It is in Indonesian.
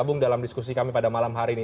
dan gabung dalam diskusi kami pada malam hari ini